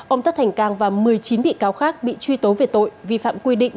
ông tất thành cang và một mươi chín bị cáo khác bị truy tố về tội vi phạm quy định